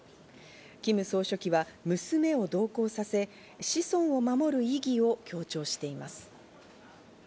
キム総書記は娘を同行させ、子孫を守る意義を強調しています。